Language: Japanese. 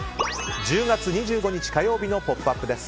１０月２５日火曜日の「ポップＵＰ！」です。